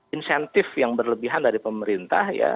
insentif yang berlebihan dari pemerintah ya